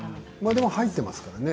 でも入っていますよね